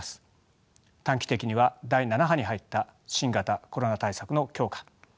短期的には第７波に入った新型コロナ対策の強化